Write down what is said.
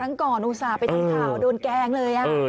ครั้งก่อนอุตส่าห์ไปทำข่าวโดนแกล้งเลย